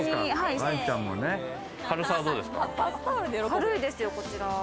軽いですよ、こちら。